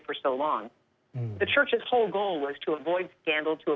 เพราะปล่อยจากความพังละเอียด